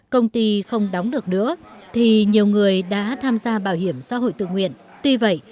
công ty không đóng được nữa thì nhiều người đã tham gia bảo hiểm xã hội tự nguyện tuy vậy